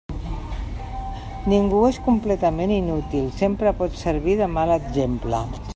Ningú és completament inútil; sempre pot servir de mal exemple.